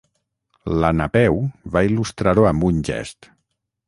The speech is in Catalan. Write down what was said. La Napeu va il·lustrar-ho amb un gest.